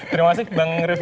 terima kasih bang rifqi